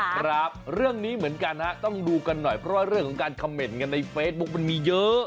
ครับเรื่องนี้เหมือนกันฮะต้องดูกันหน่อยเพราะว่าเรื่องของการคำเมนต์กันในเฟซบุ๊คมันมีเยอะ